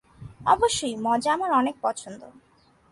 অবশ্যই, মজা আমার অনেক পছন্দ।